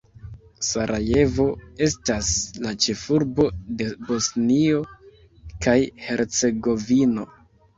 Sarajevo estas la ĉefurbo de Bosnio kaj Hercegovino.